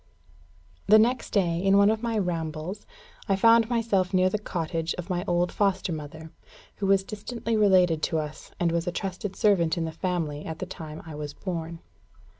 The next day, in one of my rambles, I found myself near the cottage of my old foster mother, who was distantly related to us, and was a trusted servant in the family at the time I was born.